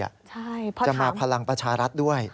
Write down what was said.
ใช่เพราะถามจะมาพลังประชารัฐด้วย